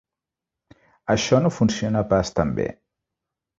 Això no funciona pas tan bé.